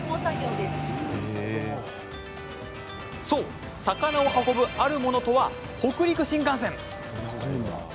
そう、魚を運ぶあるものとは北陸新幹線。